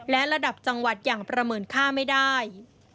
และระดับจังหวัดอย่างประเมินค่าไม่ได้